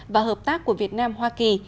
và hợp tác của việt nam hoa kỳ